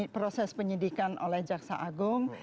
proses penyidikan oleh jaksa agung